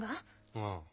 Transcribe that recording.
うん。